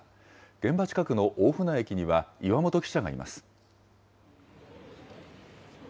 現場近くの大船駅には岩本記者がいます。